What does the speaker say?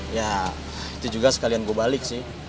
ya itu juga sekalian gue balik sih